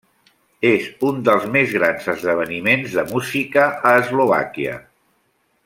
És un dels més grans esdeveniments de música a Eslovàquia.